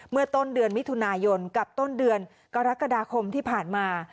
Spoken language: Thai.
เมื่อต้นเดือนมิถุนายนกับต้นเดือนกรกฎาคมที่ผ่านมา